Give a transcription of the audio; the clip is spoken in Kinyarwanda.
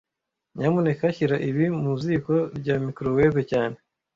Nyamuneka shyira ibi mu ziko rya microwave cyane